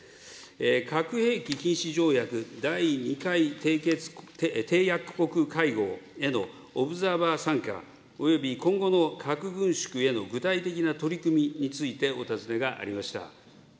核兵器禁止条約第２回締約国会合へのオブザーバー参加および今後の核軍縮への具体的な取り組みについてお尋ねがありました。